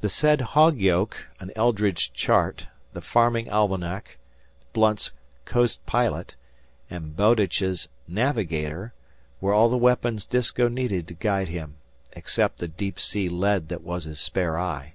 The said "hog yoke," an Eldridge chart, the farming almanac, Blunt's "Coast Pilot," and Bowditch's "Navigator" were all the weapons Disko needed to guide him, except the deep sea lead that was his spare eye.